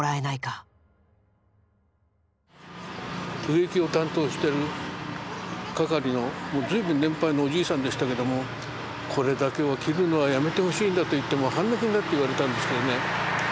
植木を担当してる係の随分年配のおじいさんでしたけども「これだけは切るのはやめてほしいんだ」と言って半泣きになって言われたんですけどね